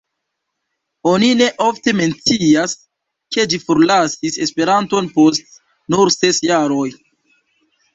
Oni ne ofte mencias, ke ĝi forlasis Esperanton post nur ses jaroj.